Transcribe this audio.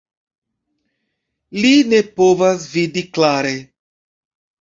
Li ne povas vidi klare.